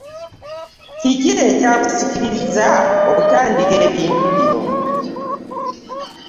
Kiki ekyakusikiriza okutandika ebintu bino?